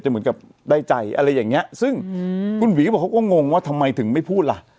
เหมือนกับได้ใจอะไรอย่างเงี้ยซึ่งคุณหวีก็บอกเขาก็งงว่าทำไมถึงไม่พูดล่ะ